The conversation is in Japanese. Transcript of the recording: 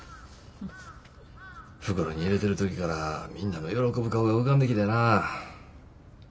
袋に入れてる時からみんなの喜ぶ顔が浮かんできてな。